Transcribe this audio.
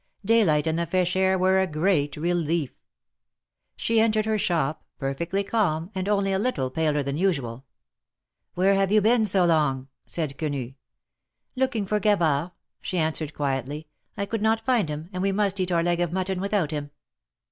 Daylight and the fresh air were a great relief. She entered her shop, perfectly calm, and only a little paler than usual. Where have you been so long ? said Quenu. "Looking for Gavard," she answered, quietly. "I could not find him, and we must eat our leg of mutton without him."